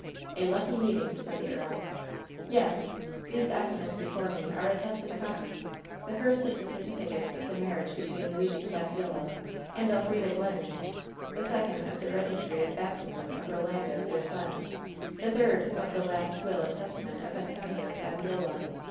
'^ "A lucky meeting," said the earl. "Yes. These documents before me are attested copies — the first of the certificates of the marriage between Luigi Saviola and Elfrida Glennon; the second of the registry of baptism of Rolando, their son; the third WHEN SHADOWS DIE 243 of the last will and testament of Antonio Saviola.